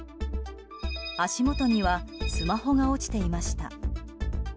足元にはスマホが落ちていました。